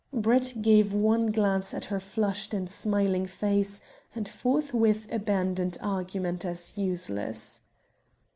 Brett gave one glance at her flushed and smiling face, and forthwith abandoned argument as useless.